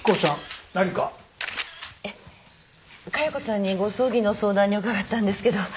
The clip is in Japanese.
ええ加代子さんにご葬儀の相談に伺ったんですけど。